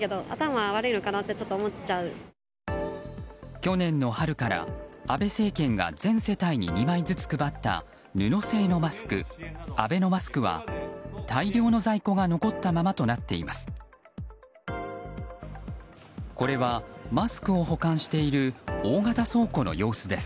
去年の春から安倍政権が全世帯に２枚ずつ配った布製のマスクアベノマスクは、大量の在庫が残ったままとなっています。